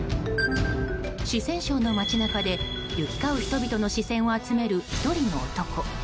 四川省の街中で、行き交う人々の視線を集める１人の男。